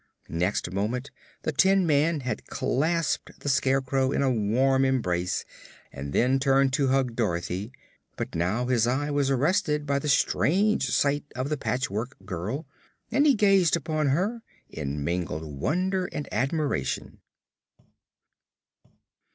Next moment the tin man had clasped the Scarecrow in a warm embrace and then turned to hug Dorothy. But now his eye was arrested by the strange sight of the Patchwork Girl, and he gazed upon her in mingled wonder and admiration.